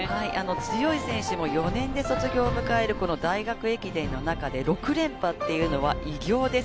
強い選手も４年で卒業を迎えるこの大学駅伝の中で６連覇というのは偉業です。